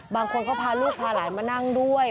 บางคนก็พาลูกพาหลานมานั่งด้วย